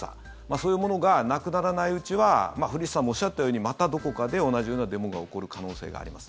そういうものがなくならないうちは古市さんもおっしゃったようにまたどこかで同じようなデモが起こる可能性があります。